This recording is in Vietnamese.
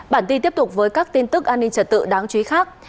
bản tin tiếp tục với các tin tức an ninh trật tự đáng chú ý khác